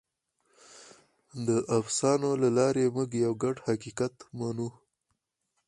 د افسانو له لارې موږ یو ګډ حقیقت منو.